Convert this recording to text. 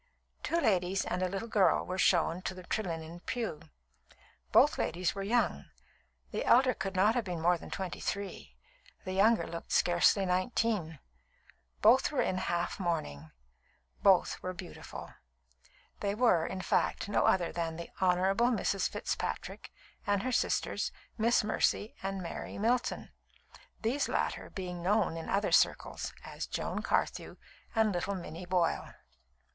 Two ladies and a little girl were shown to the Trelinnen pew. Both ladies were young; the elder could not have been more than twenty three, the younger looked scarcely nineteen. Both were in half mourning; both were beautiful. They were, in fact, no other than the Honourable Mrs. Fitzpatrick, and her sisters, Miss Mercy and Mary Milton, these latter being known in other circles as Joan Carthew and little Minnie Boyle.